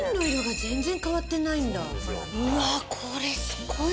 うわこれすごい。